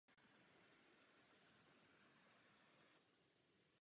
Jsou to největší nepřátelé elfů.